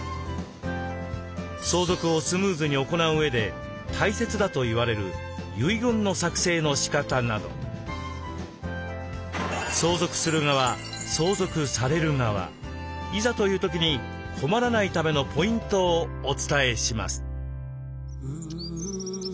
相続をスムーズに行ううえで大切だといわれる遺言の作成のしかたなど相続する側相続される側いざという時に困らないためのポイントをお伝えします。